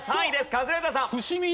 カズレーザーさん。